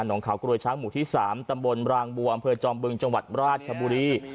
งขาวกรวยช้างหมู่ที่๓ตำบลรางบัวอำเภอจอมบึงจังหวัดราชบุรี